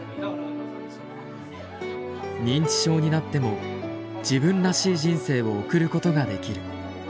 認知症になっても自分らしい人生を送ることができる。